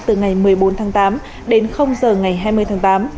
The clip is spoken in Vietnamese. từ ngày một mươi bốn tháng tám đến giờ ngày hai mươi tháng tám